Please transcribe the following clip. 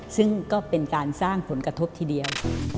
ซึ่งก็เป็นการสร้างผลกระทบทีเดียว